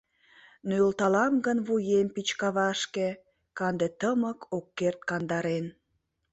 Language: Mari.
Нӧлталам гын вуем пич кавашке, Канде тымык ок керт кандарен.